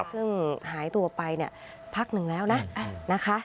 ซึ่งหายตัวไปเนี่ยพักหนึ่งแล้วนะนะคะ